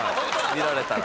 見られたら。